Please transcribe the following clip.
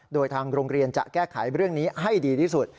โดยทางโรงเรียนจะแก้ไขเรื่องนี้ให้ดีที่สุด